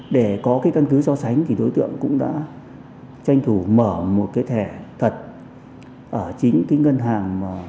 để có căn cứ so sánh đối tượng cũng đã tranh thủ mở một thẻ thật ở chính ngân hàng